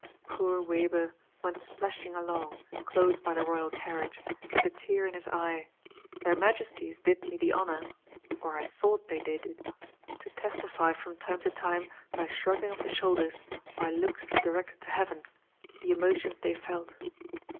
Poor Weber went splashing along, close by the Royal carriage, with the tear in his eye: "their Majesties did me the honour," or I thought they did it, "to testify, from time to time, by shrugging of the shoulders, by looks directed to Heaven, the emotions they felt."